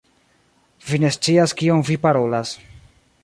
Vi ne scias kion vi parolas.